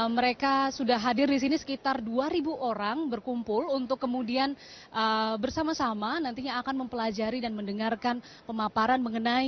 mereka sudah hadir di sini sekitar dua orang berkumpul untuk kemudian bersama sama nantinya akan mempelajari dan mendengarkan pemaparan mengenai